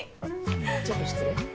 ちょっと失礼。